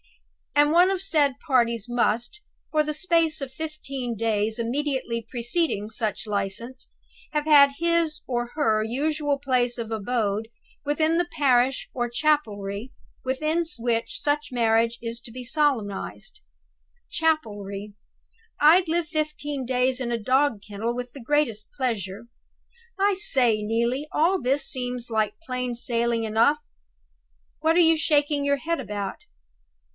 'And one of the said parties must, for the space of fifteen days immediately preceding such license, have had his or her usual place of abode within the parish or chapelry within which such marriage is to be solemnized!' Chapelry! I'd live fifteen days in a dog kennel with the greatest pleasure. I say, Neelie, all this seems like plain sailing enough. What are you shaking your head about?